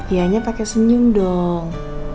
ianya pakai senyum dong